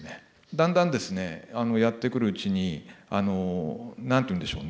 だんだんですねやってくるうちに何て言うんでしょうね